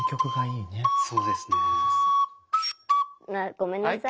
ごめんなさい。